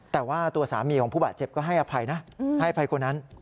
แต่ว่าตัวสามีของผู้บาดเจ็บก็ให้อภัยนะให้อภัยคนนั้น